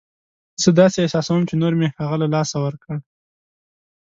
زه داسې احساسوم چې نور مې هغه له لاسه ورکړ.